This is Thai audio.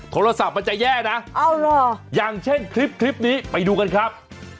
โทรศัพท์มันจะแย่นะอย่างเช่นคลิปนี้ไปดูกันครับ